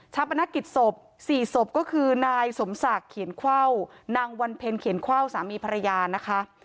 ปนักกิจศพ๔ศพก็คือนายสมศักดิ์เขียนเข้านางวันเพ็ญเขียนเข้าสามีภรรยานะคะ